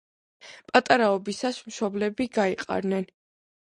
პატარაობისას, მშობლები გაიყარნენ.